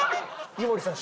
井森さん